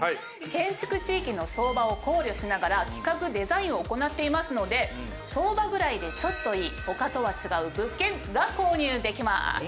建築地域の相場を考慮しながら企画・デザインを行っていますので相場ぐらいでちょっといい他とは違う物件が購入できます。